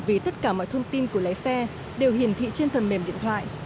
vì tất cả mọi thông tin của lái xe đều hiển thị trên phần mềm điện thoại